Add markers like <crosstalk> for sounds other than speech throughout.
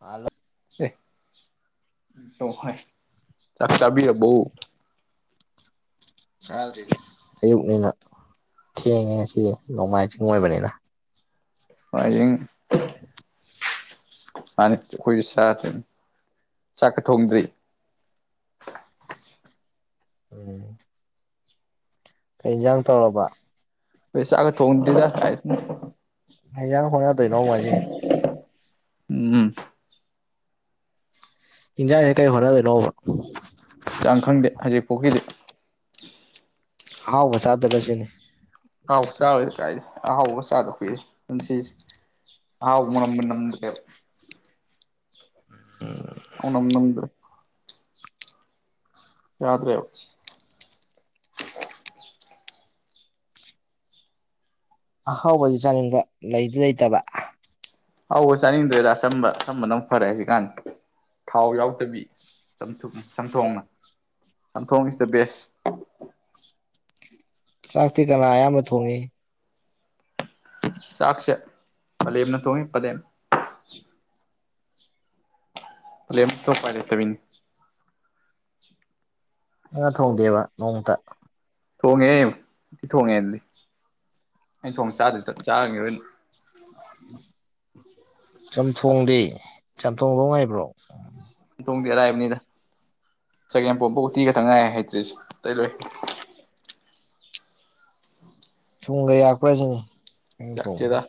hello ꯆꯥꯛ ꯇꯥꯕꯤꯔꯕꯣ ꯆꯗ꯭ꯔꯤꯗ ꯑꯌꯨꯛꯅꯤꯅ ꯊꯦꯡꯉꯦ ꯉꯁꯤ ꯅꯣꯡꯃꯥꯏ ꯆꯤꯡ ꯑꯣꯏꯕꯅꯤꯅ ꯃꯥꯏꯖꯤꯡ ꯃꯥꯅꯤ ꯑꯩꯈꯣꯏꯁꯨ ꯆꯥꯗꯔꯤ ꯆꯥꯛꯀ ꯊꯣꯡꯗ꯭ꯔꯤ <inaudible> ꯀꯩ ꯖꯥꯡ ꯇꯧꯔꯕ ꯆꯥꯛꯀ ꯊꯣꯡꯗ꯭ꯔꯤꯗ ꯀꯥꯏ ꯀꯩꯌꯥꯡ ꯍꯣꯠꯅꯗꯣꯏ ꯅꯣ ꯃꯥꯏꯖꯤ ꯎꯝ ꯏꯟꯌꯥꯡꯖꯦ ꯀꯩ ꯍꯣꯠꯅꯗꯣꯏꯅꯣꯕ ꯆꯥꯡ ꯈꯪꯗꯦ ꯍꯧꯖꯤꯛ ꯄꯥꯎꯀꯤꯗꯤ ꯍꯥꯎꯕ ꯆꯥꯗꯔ ꯁꯤꯗꯤ ꯑꯍꯥꯎꯕ ꯆꯥꯔꯣꯏꯗ ꯀꯥꯏ ꯑꯍꯥꯎꯕꯒ ꯆꯥꯗ ꯀꯨꯏꯔꯦ ꯄꯨꯟꯁꯤꯁꯦ ꯑꯍꯥꯎꯕ ꯃꯅꯝꯒ ꯅꯝꯗ꯭ꯔꯦꯕ <inaudible> <unintelligible> ꯌꯥꯗ꯭ꯔꯦꯞ <inaudible> ꯑꯍꯥꯎꯕꯗꯤ ꯆꯥꯅꯤꯡꯕ ꯂꯩꯗꯤ ꯂꯩꯇꯕ ꯍꯥꯎꯕ ꯆꯥꯅꯤꯡꯗ꯭ꯔꯦꯗ ꯑꯆꯝꯕ ꯑꯆꯝꯕꯅ ꯐꯔꯦ ꯍꯖꯤꯛ ꯀꯥꯟ ꯊꯥꯎ ꯌꯥꯎꯗꯗꯤ ꯆ ꯆꯝꯊꯣꯡ ꯆꯝꯊꯣꯡꯅ ꯆꯝꯊꯣꯡ ꯏꯁ ꯗ ꯕꯦꯁ ꯆꯥꯛꯇꯤ ꯀꯅꯥ ꯑꯌꯥꯝꯕ ꯊꯣꯡꯉꯤ ꯆꯥꯛꯁꯦ ꯄꯂꯦꯝꯅ ꯊꯣꯡꯉꯤ ꯄꯂꯦꯝ ꯄꯦꯝ ꯇꯣ ꯎꯄꯥꯏ ꯂꯩꯗꯕꯤꯅꯤ ꯅꯪꯅ ꯊꯣꯡꯗꯦꯕ ꯅꯣꯡꯃꯇ ꯊꯣꯡꯉꯦ ꯊꯣꯡꯉꯦ ꯗꯨꯗꯤ ꯑꯩꯩꯅ ꯊꯣꯡ ꯆꯥꯗꯗꯤ ꯇꯞ ꯆꯥꯒꯤꯔꯣꯏꯅ ꯆꯝꯊꯣꯡꯗꯤ ꯆꯝꯊꯣꯡꯗꯧ ꯍꯩꯕ꯭ꯔꯣ ꯊꯣꯡꯗꯤ ꯑꯔꯥꯏꯕꯅꯤꯗ ꯆꯒꯦꯝꯄꯣꯝ ꯎꯇꯤꯒ ꯇꯪ ꯉꯥꯏ ꯍꯩꯇ꯭ꯔꯤꯁꯦ ꯇꯩꯔꯣꯏ <inaudible> ꯊꯨꯝꯒ ꯌꯥꯛꯄ꯭ꯔꯁꯤꯅꯦ ꯌꯥꯛꯇꯦꯗ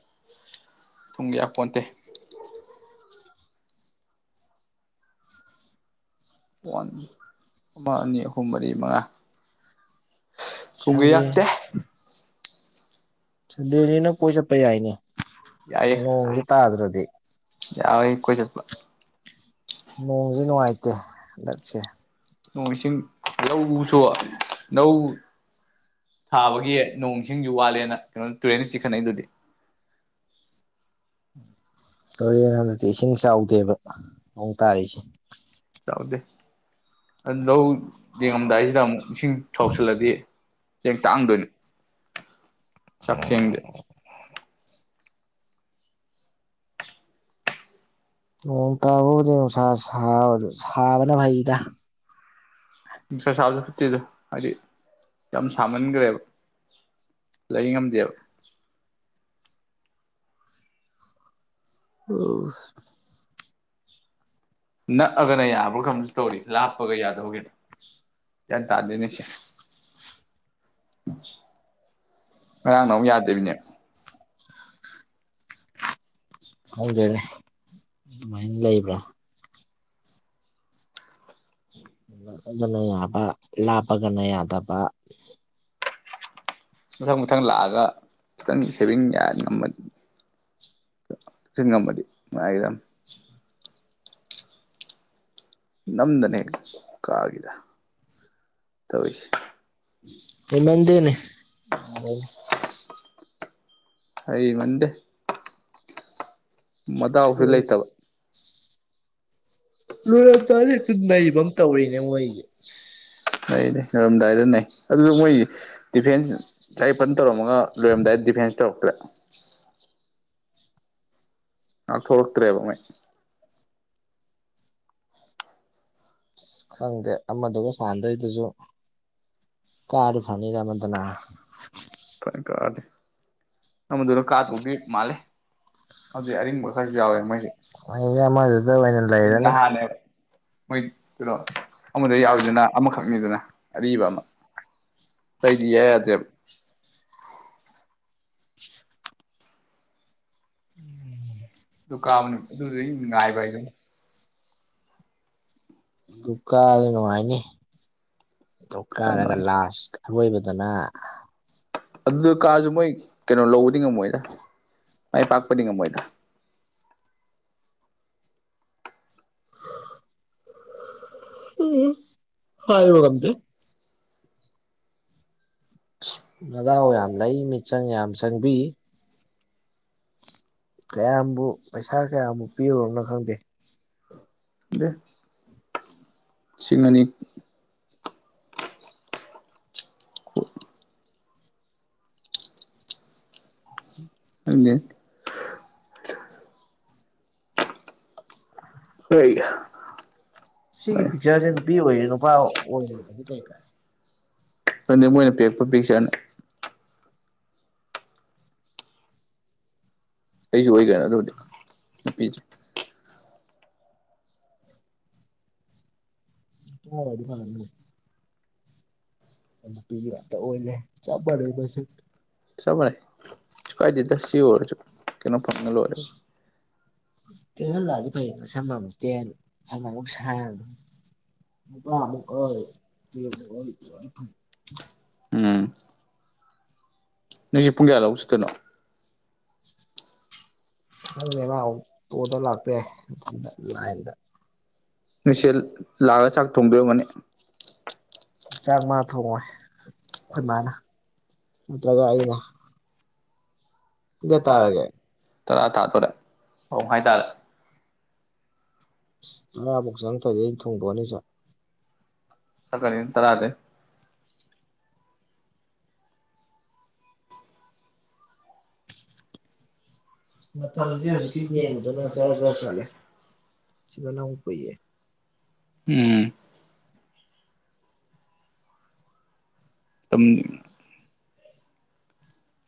ꯊꯨꯝꯒ ꯌꯥꯛꯄꯣꯟꯇꯦ ꯋꯥꯟ ꯑꯃ ꯑꯅꯤ ꯑꯍꯨꯝ ꯃꯔꯤ ꯃꯉꯥ ꯊꯨꯝꯒ ꯁꯟꯗꯦ ꯌꯥꯥꯛꯇꯦ ꯁꯟꯗꯦꯅꯤꯅ ꯀꯣꯏ ꯆꯠꯄ ꯌꯥꯏꯅꯦ ꯅꯣꯡꯖꯦ ꯇꯥꯗ꯭ꯔꯗꯤ ꯌꯥꯏ ꯀꯣꯏ ꯆꯠꯄ ꯅꯣꯡꯖꯦ ꯅꯨꯡꯉꯥꯏꯇꯦ ꯍꯟꯗꯛꯁꯦ ꯅꯣꯡ ꯏꯁꯤꯡ ꯂꯧꯁꯨ ꯂꯧ ꯊꯥꯕꯒꯤ ꯅꯣꯡ ꯁꯤꯡꯁꯨ ꯋꯥꯠꯂꯦꯅ ꯀꯩꯅꯣ ꯇꯨꯔꯦꯟꯗꯩ ꯆꯤꯈꯠꯅꯩ ꯗꯨꯗꯤ ꯇꯨꯔꯦꯟ ꯍꯟꯗꯛꯇꯤ ꯏꯁꯤꯡ ꯆꯥꯎꯗꯦꯕ ꯅꯣꯡ ꯇꯥꯔꯤꯁꯦ ꯆꯥꯎꯗꯦ ꯑꯗꯨ ꯂꯧ ꯌꯦꯡꯉꯝꯗꯥꯏꯁꯤꯗ ꯑꯃꯨꯛ ꯏꯁꯤꯡ ꯁꯥꯎꯁꯤꯜꯂꯗꯤ ꯆꯦꯡ ꯇꯥꯡꯗꯣꯏꯅꯤ ꯆꯥꯛ ꯆꯦꯡꯗꯤ ꯅꯣꯡ ꯇꯥꯕꯕꯨꯗꯤ ꯅꯨꯡꯁꯥ ꯁꯥ ꯁꯥꯕꯅ ꯐꯩꯗ ꯁꯥ ꯁꯥꯕꯁꯨ ꯐꯨꯠꯇꯦꯗꯣ ꯍꯥꯏꯗꯤ ꯌꯥꯝ ꯁꯥꯃꯟꯈ꯭ꯔꯦꯕ ꯂꯩ ꯉꯝꯗꯦꯕ ꯑꯣ ꯅꯛꯑꯒꯅ ꯌꯥꯕ꯭ꯔꯥ ꯀꯩꯅꯣꯝꯁꯨ ꯇꯧꯔꯤ ꯂꯥꯞꯄꯒ ꯌꯥꯗꯕꯒꯤꯔ <unintelligible> ꯒ꯭ꯌꯥꯟ ꯇꯥꯗꯦꯅꯦ ꯁꯦ <unintelligible> ꯂꯧꯁꯤꯟꯕ ꯉꯔꯥꯡꯅ ꯑꯃꯨꯛ ꯉꯝꯗꯕ ꯌꯥꯗꯕꯤꯅꯦ <unintelligible> ꯈꯪꯗꯦꯗ ꯑꯗꯨꯃꯥꯏꯅ ꯂꯩꯕ꯭ꯔꯥ ꯅꯛꯑꯒꯅ ꯌꯥꯕ ꯂꯥꯞꯄꯒꯅ ꯌꯥꯗꯕ ꯃꯊꯪ ꯃꯊꯪ ꯂꯥꯛꯑꯒ ꯈꯤꯇꯪ ꯁꯦꯚꯤꯡ ꯌꯥ ꯉꯝꯃꯗꯤ ꯈꯥꯛꯆꯤꯟ ꯉꯝꯃꯗꯤ ꯅꯨꯡꯉꯥꯏꯒꯗꯝꯅꯤ ꯅꯝꯗꯅ ꯍꯦꯛ ꯀꯥꯒꯤꯗ ꯇꯧꯔꯤꯁꯦ ꯍꯩꯃꯟꯗꯦꯅꯦ ꯂꯧꯁꯤꯟꯕ ꯉꯝꯗꯕ ꯍꯩꯃꯟꯗꯦ ꯃꯗꯥꯎꯁꯨ ꯂꯩꯇꯕ ꯂꯣꯏꯔꯝꯗꯥꯏꯗ ꯍꯦꯛꯇ ꯅꯩꯕ ꯅꯩꯕꯝ ꯑꯃ ꯇꯧꯔꯤꯅꯦ ꯇꯧꯔꯦꯅꯦ ꯃꯣꯏꯗꯤ ꯃꯣꯏꯁꯦ ꯍꯣꯏꯅꯦ ꯂꯣꯏꯔꯝꯗꯥꯏꯗ ꯅꯩ ꯑꯗꯨꯗꯣ ꯃꯣꯏꯒꯤ ꯗꯤꯐꯦꯟꯁ ꯆꯥꯏ ꯐꯅ ꯇꯧꯔꯝꯃꯒ ꯂꯣꯏꯔꯝꯗꯥꯏꯗ ꯗꯤꯐꯦꯟꯁ ꯇꯧꯔꯛꯇ꯭ꯔꯦ ꯉꯥꯛꯊꯣꯛꯂꯛꯇ꯭ꯔꯦꯕ ꯃꯣꯏ ꯑꯁ ꯈꯪꯗꯦ ꯑꯃꯗꯨꯒ ꯁꯥꯟꯗꯣꯏꯗꯨꯖꯨ ꯀꯥꯔꯗꯤ ꯐꯅꯤꯗ ꯑꯃꯗꯨꯅ ꯐꯩ ꯀꯥꯔꯗꯤ ꯑꯃꯗꯨꯅ ꯀꯥꯗꯧꯗꯤ ꯃꯥꯜꯂꯤ ꯅꯪꯗꯤ ꯑꯩ ꯃꯊꯪ ꯀꯌꯥ ꯑꯣꯏꯅꯤ ꯃꯣꯏꯁꯦ ꯑꯩꯗꯤ ꯑꯃꯗꯨꯗ ꯑꯣꯏꯅ ꯂꯩꯔꯅꯤ ꯅꯍꯥꯟꯅꯦꯕ ꯃꯣꯏ ꯀꯩꯅꯣ ꯑꯃꯗ ꯌꯥꯎꯋꯤꯗꯨꯅ ꯑꯃꯈꯛꯅꯤꯗꯅ ꯑꯔꯤꯕ ꯑꯃ ꯇꯩꯗꯤ ꯏꯌꯥ ꯌꯥꯗꯦꯕ ꯎꯝ ꯂꯧꯁꯤꯟꯕ ꯑꯗꯨ ꯀꯥꯕꯅꯤ ꯉꯝꯗꯕ ꯑꯗꯨꯗꯒꯤ ꯉꯥꯏꯕ ꯍꯥꯏꯗꯨ ꯍꯥꯏꯗꯨꯅꯤ ꯗꯨ ꯀꯥꯔꯗꯤ ꯅꯨꯡꯉꯥꯏꯅꯤ ꯗꯨ ꯀꯥꯔꯒ ꯂꯥꯁ ꯑꯔꯣꯏꯕꯗꯅ ꯑꯗꯨꯗ ꯀꯥꯔꯖꯨ ꯃꯣꯏ ꯀꯩꯅꯣ ꯂꯧꯕꯗꯤ ꯉꯝꯃꯣꯏꯗ ꯃꯥꯏ ꯄꯥꯛꯄꯗꯤ ꯉꯝꯃꯣꯏꯗ ꯍꯍ ꯍꯍ ꯍꯥꯏꯕ ꯉꯝꯗꯦ ꯅꯗꯥꯥꯎ ꯌꯥꯝ ꯂꯩ ꯃꯤꯆꯪ ꯌꯥꯝ ꯆꯪꯕꯤ ꯀꯌꯥꯝꯕꯨ ꯄꯩꯁꯥ ꯀꯌꯥꯕꯨ ꯄꯤꯔꯨꯔꯕꯅꯣ ꯈꯪꯗꯦ ꯈꯪꯗꯦ ꯁꯤꯅꯅꯤ ꯂꯧꯁꯤꯟꯕ ꯉꯝꯗꯕ ꯍꯩ ꯁꯤꯒꯤ ꯄꯤꯛꯆꯔꯁꯦ ꯑꯍ ꯅꯨꯄꯤ ꯑꯣꯏꯔꯤ ꯅꯨꯄꯥ ꯂꯧꯁꯤꯟꯕ ꯑꯣꯏꯔꯤꯕꯗꯤ ꯀꯩ ꯅꯨꯄꯥ ꯉꯝꯗꯕ ꯈꯪꯗꯦ ꯃꯣꯏꯅ ꯄꯤꯔꯛꯄ ꯄꯤꯛꯁꯟ ꯑꯩꯖꯨ ꯑꯣꯏ ꯀꯩꯅꯣ ꯑꯗꯨꯕꯨꯗꯤ ꯅꯨꯄꯤꯖꯨ ꯏꯀꯥꯏꯔꯗꯤ ꯂꯧꯁꯤꯟꯕ ꯉꯝꯗꯕ ꯑ ꯅꯨꯄꯤꯒꯤ ꯉꯥꯛꯇ ꯑꯣꯏꯂꯦ ꯆꯞ ꯃꯥꯟꯅꯩ ꯃꯁꯛ ꯆꯕ ꯃꯥꯟꯅꯩ ꯀꯩꯁꯨ ꯀꯥꯏꯗꯦꯗ ꯁꯤ ꯑꯣꯏꯔꯁꯨ ꯀꯩꯅꯣ ꯐꯪꯉ ꯂꯣꯏꯔꯦ ꯇꯦꯟꯍꯟꯂꯥꯛꯑꯗꯤ ꯐꯩꯗꯅ ꯁꯝ ꯑꯃꯨꯛ ꯇꯦꯟ ꯁꯝ ꯑꯃꯨꯛ ꯁꯥꯡ ꯅꯨꯄꯥ ꯑꯃꯨꯛ ꯑꯣꯏ ꯅꯨꯄꯤ ꯑꯃꯨꯛ ꯑꯣꯏ ꯂꯧꯁꯤꯟꯕ ꯉꯝꯗꯕ ꯎꯝ ꯅꯣꯏꯖꯦ ꯄꯨꯡ ꯀꯌꯥ ꯂꯧ ꯆꯠꯇꯣꯅꯣ ꯈꯪꯗꯥ ꯃꯥ ꯑꯣꯛꯇꯣꯗ ꯂꯥꯛꯄ ꯌꯥꯏ ꯃꯊꯟꯗ ꯂꯥꯏꯟꯗ ꯅꯣꯏꯁꯦꯜ ꯂꯥꯛꯑꯒ ꯆꯥꯛ ꯊꯣꯡꯗꯣꯏ ꯑꯣꯏꯔꯝꯒꯅꯤ ꯆꯥꯛ ꯃꯥ ꯊꯣꯡꯉꯣꯏ ꯑꯈꯣꯏ ꯃꯥꯅ ꯅꯠꯇ꯭ꯔꯒ ꯑꯩꯅ ꯄꯨꯡ ꯀꯌꯥ ꯇꯥꯔꯒꯦ ꯇꯔꯥ ꯇꯥꯇꯣꯔꯦ ꯃꯥꯄꯟ ꯃꯈꯥꯏ ꯇꯥꯔꯦ ꯑꯁ ꯇꯔꯥꯐꯧ ꯆꯪꯉꯛꯇꯗꯤ ꯑꯩ ꯊꯣꯡꯗꯣꯛꯑꯅꯤ ꯆꯥꯛ ꯆꯠꯀꯅꯤꯅ ꯇꯔꯥꯗꯩ ꯃꯇꯝꯖꯦ ꯍꯧꯖꯤꯛꯀꯤ ꯌꯦꯡꯕꯗꯅ ꯖꯔꯥ ꯖꯔꯥ ꯆꯠꯂꯦ ꯁꯤꯗꯅ ꯑꯃꯨꯛ ꯀꯨꯏꯌꯦ ꯎꯝ ꯇꯝꯅꯤꯅ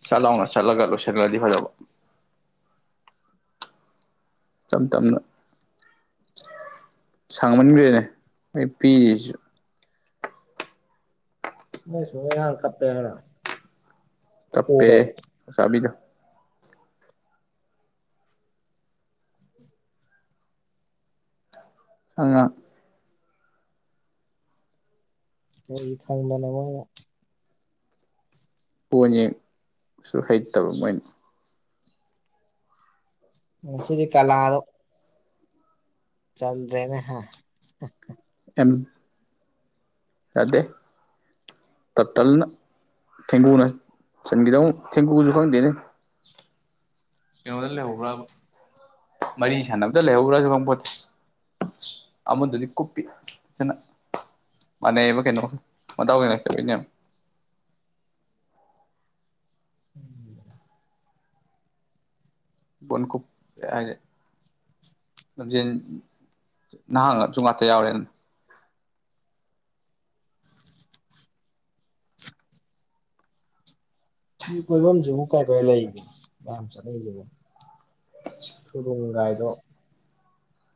ꯁꯠ ꯂꯥꯎꯅ ꯆꯠꯂꯒ ꯂꯣꯏꯁꯜꯂꯗꯤ ꯐꯗꯧꯕ ꯇꯝ ꯇꯞꯅ ꯁꯥꯡꯃꯟꯒ꯭ꯔꯦꯅꯦ ꯑꯩ ꯄꯤꯔꯤꯖꯤꯖꯨ ꯏꯁꯥ ꯅꯣꯏ ꯁꯨꯝ ꯏꯇꯣꯟꯗ ꯌꯥꯝ ꯏꯍꯥꯡ ꯀꯞꯄꯦ ꯍꯥꯏꯔꯣ ꯀꯞꯄꯦ ꯄꯣꯕꯩ ꯆꯥꯕꯤꯗꯣ ꯑꯉꯥꯡ ꯀꯔꯤ ꯈꯪꯗꯅ ꯃꯣꯏꯅ ꯄꯣꯟ ꯌꯦꯡ ꯁꯨ ꯍꯩꯇꯕ ꯃꯣꯏꯅ ꯉꯁꯤꯗꯤ ꯀꯂꯥꯗꯣ ꯆꯜꯗ꯭ꯔꯦꯅꯦ ꯍꯥ ꯑꯦꯝ ꯌꯥꯗꯦ ꯇꯇꯜꯅ ꯊꯦꯡꯒꯨꯅ ꯆꯟꯒꯤꯗꯧꯟ ꯊꯦꯡꯒꯨꯁꯨ ꯈꯪꯗꯦꯅꯦ ꯀꯩꯅꯣꯗ ꯂꯩꯍꯧꯕ꯭ꯔꯕ ꯃꯔꯤ ꯁꯥꯟꯅꯕꯗ ꯂꯩꯍꯧꯕ꯭ꯔꯖꯨ ꯈꯪꯄꯣꯟꯇꯦ ꯑꯃꯗꯨꯗꯤ ꯀꯨꯞꯄꯤꯛ ꯐꯖꯅ ꯃꯥꯟꯅꯩꯑꯕ ꯀꯩꯅꯣ ꯃꯗꯥꯎ ꯌꯦꯡꯉꯛꯇꯕꯤꯅꯦ <inaudible> ꯕꯣꯟ ꯀꯨꯞ ꯍꯥꯏꯒ꯭ꯔꯦ ꯂꯝꯖꯦꯟ ꯅꯍꯥꯡꯅ ꯆꯣꯡꯂꯥꯛ ꯇꯌꯥꯎꯔꯦꯟ ꯄ꯭ꯌꯨ ꯀꯣꯏꯕꯝꯖꯤꯕꯨ ꯀꯥꯏ ꯀꯥꯏ ꯂꯩꯒꯦ ꯃꯌꯥꯝ ꯆꯠꯅꯩꯖꯤꯕꯣ ꯁꯨꯔꯨꯡꯒꯥꯏꯗꯣ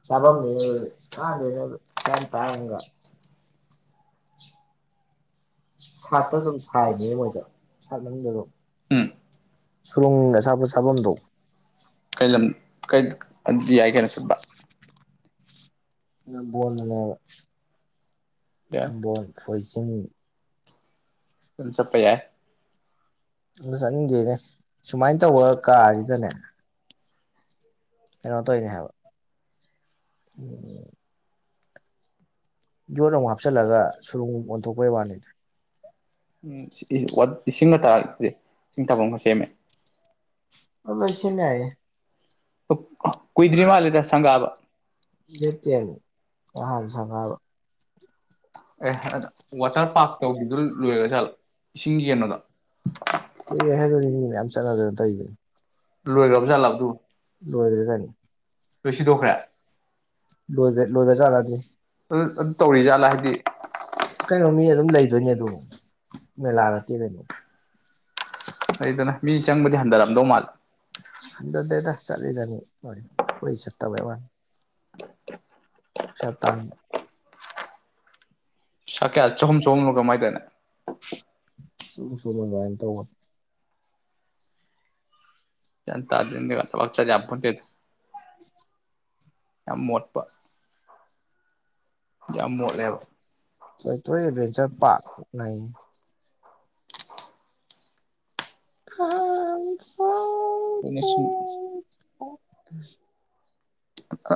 ꯆꯥꯕꯝꯅꯤꯅꯦ ꯑꯗꯨꯗꯤ ꯀꯥꯟꯗꯦꯗ ꯑꯗꯨ ꯄꯩꯁꯥ ꯌꯥꯝ ꯇꯥꯡꯉꯒ ꯁꯥꯠꯇ ꯑꯗꯨꯝ ꯁꯥꯏꯅꯤꯅꯦ ꯃꯣꯏꯗꯣ ꯁꯥꯏꯠ ꯃꯅꯨꯡꯗ ꯑꯗꯨꯝ ꯎꯝ ꯁꯨꯔꯨꯡ ꯑꯆꯥꯄꯣꯠ ꯆꯥꯕꯝꯗꯣ ꯀꯩ ꯂꯝ ꯀꯩ ꯑꯗꯨꯗꯤ ꯌꯥꯏ ꯀꯩꯅꯣ ꯁꯠꯄ ꯅꯝꯕꯣꯟꯗꯅꯦ ꯍꯥꯏꯕ ꯅꯝꯕꯣꯟ ꯐꯣꯏꯖꯤꯡ ꯎꯝ ꯆꯠꯄ ꯌꯥꯏ ꯑꯗꯣ ꯆꯠꯅꯤꯡꯗꯦꯅꯦ ꯁꯨꯃꯥꯏ ꯇꯧꯕ ꯀꯥꯖꯤꯗꯅꯦ ꯀꯩꯅꯣ ꯇꯧꯏꯅꯦ ꯍꯥꯏꯕ ꯎꯝ ꯌꯣꯠ ꯑꯃꯨꯛ ꯍꯥꯞꯆꯜꯂꯒ ꯁꯨꯔꯨꯡ ꯑꯣꯟꯊꯣꯛꯄꯩ ꯋꯥꯅꯤꯗ ꯎꯝ ꯁꯤꯇꯤꯖꯦ ꯋꯥꯠ ꯏꯁꯤꯡꯒ ꯇꯥꯔꯛꯇꯗꯤ ꯏꯁꯤꯡ ꯇꯥꯕꯝꯒ ꯁꯦꯝꯃꯦ ꯑꯗꯨ ꯂꯣꯏ ꯁꯦꯝ ꯌꯥꯏꯍꯦ ꯀꯨꯏꯗ꯭ꯔꯤ ꯀꯨꯏꯗ꯭ꯔꯤꯃꯥꯜꯂꯦ ꯃꯥꯜꯂꯦꯗ ꯁꯨꯝ ꯂꯥꯞ ꯁꯪꯒꯥꯕ ꯗꯦꯠ ꯇꯦꯟ ꯅꯍꯥꯟ ꯁꯥꯅꯕ ꯑꯦ ꯋꯥꯇ꯭ꯔ ꯋꯥꯇꯔ ꯄꯥꯛ ꯄꯥꯔꯛ ꯇꯧꯕꯤꯗꯨ ꯇꯧꯒꯤꯕꯗꯨ ꯂꯣꯏꯒ꯭ꯔꯖꯥꯂꯣ ꯂꯣꯏꯒ꯭ꯔꯖꯥꯠꯂꯣ ꯏꯁꯤꯡ ꯏꯁꯤꯡꯒꯤ ꯌꯦꯡꯕꯗꯣ ꯀꯩꯅꯣꯗꯣ ꯀꯨꯏꯔꯦꯍꯦ ꯑꯗꯨꯗꯤ ꯃꯤ ꯃꯌꯥꯝ ꯆꯠꯅꯗꯅ ꯇꯧꯏꯗꯨꯗꯤ ꯂꯣꯏꯒ꯭ꯔꯕ ꯖꯥꯠꯂꯕ ꯂꯣꯏꯒ꯭ꯔꯝꯖꯥꯠꯂꯕ ꯑꯗꯨꯕꯨ ꯂꯣꯏꯒ꯭ꯔꯦ ꯀꯩꯅꯣ ꯂꯣꯏ ꯁꯤꯗꯣꯛꯈ꯭ꯔꯦ ꯂꯣꯏꯁꯤꯗꯣꯛꯈ꯭ꯔꯦ ꯂꯣꯏꯒ꯭ꯔꯦ ꯂꯣꯏꯒ꯭ꯔꯖꯥꯂꯥ ꯑꯗꯨꯗꯤ ꯑꯗꯨ ꯑꯗꯨ ꯇꯧꯔꯤ ꯖꯥꯠꯂꯥ ꯍꯥꯏꯗꯤ ꯀꯩꯅꯣ ꯃꯤ ꯑꯗꯨꯝ ꯂꯩꯗꯣꯏꯅꯦ ꯑꯗꯨ ꯃꯦꯂꯥ ꯅꯠꯇꯦ ꯀꯩꯅꯣ ꯂꯩꯗꯅ ꯃꯤ ꯆꯪꯕꯗꯤ ꯍꯟꯊꯔꯝꯗꯧ ꯃꯥꯜꯂꯦ ꯅꯠꯗꯦꯗ ꯆꯠ ꯐ꯭ꯔꯤꯗꯅꯤ ꯃꯣꯏ ꯑꯣꯏ ꯆꯠꯇꯕꯩ ꯋꯥꯅꯤ ꯄꯩꯁꯥ ꯇꯥꯟ ꯄꯩꯁꯥ ꯀꯌꯥ ꯆꯍꯨꯝ ꯆꯍꯨꯝꯂꯣ ꯀꯩꯅꯣꯝ ꯍꯥꯏꯗꯥꯏꯅꯦ ꯆꯍꯨꯝ ꯆꯍꯨꯝꯂ ꯑꯗꯨꯃꯥꯏ ꯇꯧꯕꯅꯤ ꯒꯌ꯭ꯥꯟ ꯇꯥꯗꯦ ꯅꯦꯠꯋꯥꯛ ꯆꯠ ꯌꯥꯄꯣꯟꯇꯦꯗ ꯌꯥꯝ ꯃꯣꯠꯄ ꯌꯥꯝ ꯃꯣꯠꯂꯦꯕ ꯊꯣꯏꯊꯣꯏ ꯑꯦꯠꯚꯦꯟꯆ꯭ꯔ ꯄꯥꯛ ꯅꯩꯌꯦ <unintelligible> ꯑꯗꯨꯅ ꯁꯨꯝ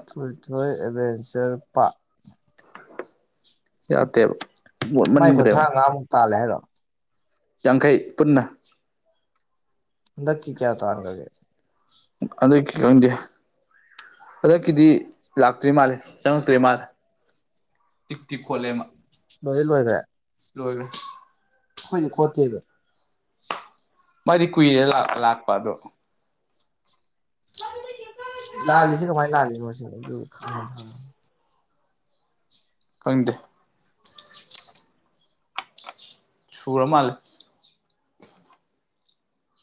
ꯊꯣꯏꯊꯣꯏ ꯑꯦꯚꯦꯟꯆ꯭ꯔ ꯄꯥ ꯌꯗꯦꯕ ꯃꯥꯏ ꯃꯣꯠꯃꯟꯒ꯭ꯔꯦꯕ ꯀꯨꯟꯊ꯭ꯔꯥꯉꯥꯃꯨꯛ ꯇꯥꯜꯂꯦ ꯍꯥꯏꯔꯣ ꯌꯥꯡꯈꯩ ꯄꯨꯟꯅ ꯍꯟꯗꯛꯀꯤ ꯀꯌꯥ ꯇꯥꯈ꯭ꯔꯒꯦ ꯍꯟꯗꯛꯀꯤ ꯈꯪꯗꯦ ꯍꯟꯗꯛꯀꯤꯗꯤ ꯂꯥꯛꯇ꯭ꯔꯤ ꯃꯥꯜꯂꯦ ꯆꯪꯉꯛꯇ꯭ꯔꯦ ꯃꯥꯜꯂꯦ ꯇꯤꯛ ꯇꯤꯛ ꯈꯣꯠꯂꯦꯃꯥ ꯂꯣꯏꯔꯦ ꯂꯣꯏꯒꯔ꯭ꯦ ꯂꯣꯏꯒꯔꯦ ꯃꯔꯤ ꯀꯨꯏꯔꯦ ꯂꯥꯛꯄ ꯑꯗꯣ ꯂꯥ ꯂꯤꯁꯦ ꯀꯃꯥꯏ ꯂꯥ ꯂꯤꯅꯣꯁꯤꯅꯤ ꯈꯪꯗꯦ ꯁꯨꯔ ꯃꯥꯂꯦ